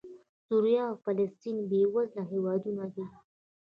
سوریه او فلسطین بېوزله هېوادونه دي.